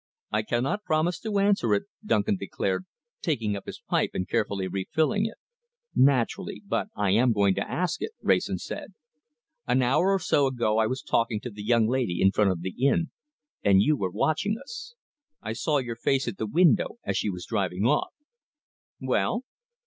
"I cannot promise to answer it," Duncan declared, taking up his pipe and carefully refilling it. "Naturally! But I am going to ask it," Wrayson said. "An hour or so ago I was talking to the young lady in front of the inn, and you were watching us. I saw your face at the window as she was driving off." "Well?"